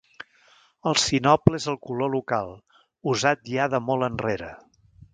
El sinople és el color local, usat ja de molt enrere.